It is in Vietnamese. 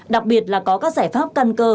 đặc biệt là có các giải pháp căn cơ